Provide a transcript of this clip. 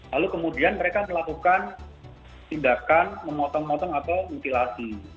lalu kemudian mereka melakukan tindakan memotong motong atau mutilasi